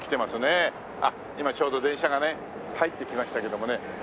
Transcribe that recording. あっ今ちょうど電車がね入ってきましたけどもね。